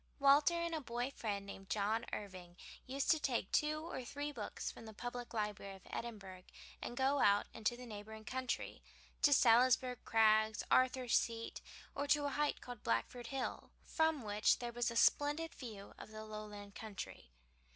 Walter and a boy friend named John Irving used to take two or three books from the public library of Edinburgh, and go out into the neighboring country, to Salisbury Crags, Arthur's Seat, or to a height called Blackford Hill, from which there was a splendid view of the Lowland country.